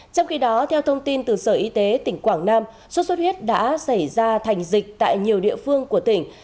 trong khi đó theo thông tin từ sở y tế tp hcm số suất huyết đã xảy ra thành dịch tại nhiều địa phương của tỉnh